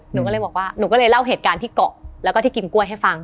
หนูก็เลยบอกว่าหนูก็เลยเล่าเหตุการณ์ที่เกาะแล้วก็ที่กินกล้วยให้ฟัง